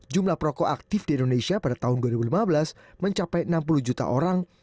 jumlah perokok aktif di indonesia pada tahun dua ribu lima belas mencapai enam puluh juta orang